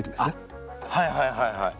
はいはいはいはい。